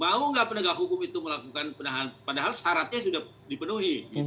mau nggak penegak hukum itu melakukan penahan padahal syaratnya sudah dipenuhi